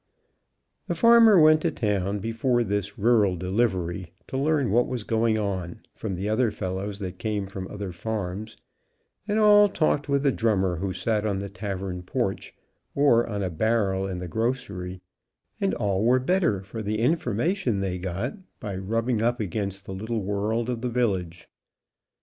The farmer went to town, before this rural delivery, to learn what was going on, from the other fellows that came from other farms, and all talked with the drummer who sat on the tavern porch, or on a barrel in the grocery, and all were better for the information they got by rubbing up against the little world of the village.